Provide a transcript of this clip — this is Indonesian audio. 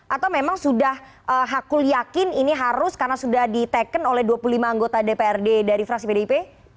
atau memang sudah hakul yakin ini harus karena sudah diteken oleh dua puluh lima anggota dprd dari fraksi pdip